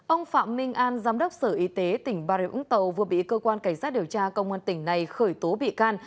ông phạm minh an giám đốc sở y tế tỉnh bà rịa úng tàu vừa bị cơ quan cảnh sát điều tra công an tỉnh này khởi tố bị can